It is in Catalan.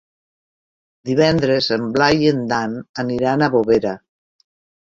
Divendres en Blai i en Dan aniran a Bovera.